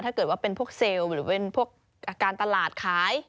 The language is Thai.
ถ้าเกิดว่าเป็นพวกเซลล์หรือเป็นพวกการตลาดขาย